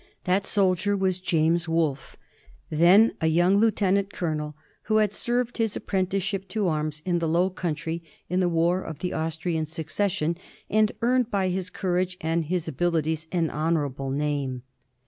That soldier was James Wolfe, then a young lieutenant colonel, who had served his ap prenticeship to arms in the Low Countries in the war of the Austrian Succession;^ and earned by his courage and his abilities an honorable name.